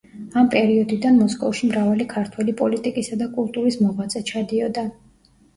ამ პერიოდიდან მოსკოვში მრავალი ქართველი პოლიტიკისა და კულტურის მოღვაწე ჩადიოდა.